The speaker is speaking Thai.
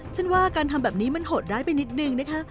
ฉันว่าการทำแบบนี้มันโหดร้ายไปนิดนึงนะคะ